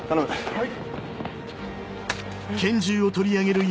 はい。